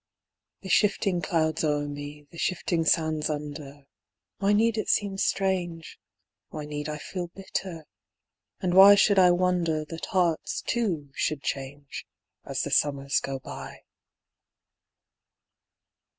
The shifting clouds o'er me, the shifting sands under; Why need it seem strange, Why need I feel bitter, and why should I wonder That hearts, too, should change As the summers go by.